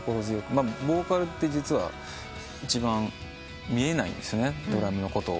ボーカルって実は一番見えないんですねドラムのこと。